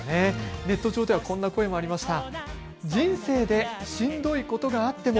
ネット上ではこんな声もありました。